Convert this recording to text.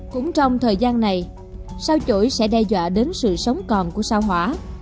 cũng trong thời gian này sao chổi sẽ đe dọa đến sự sống còn của sao hỏa